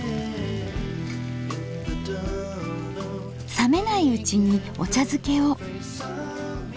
冷めないうちにお茶づけを。